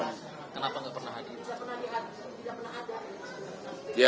jadi tidak kita kasih lihat percintaannya